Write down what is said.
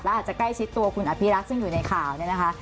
อาจจะใกล้ชิดตัวคุณอภิรักษ์ซึ่งอยู่ในข่าวเนี่ยนะคะ